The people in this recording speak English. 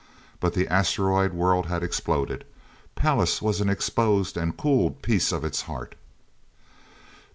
But the asteroid world had exploded. Pallas was an exposed and cooled piece of its heart.